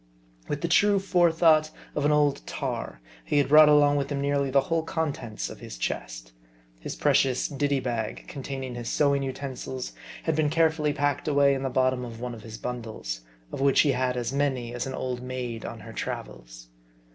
With the true forethought of an old tar, he had brought along with him nearly the whole contents of his chest. His precious " Ditty Bag," containing his sewing utensils, had been carefully packed away in the bottom of one of his bundles ; of which he had as many as an old maid on her travels.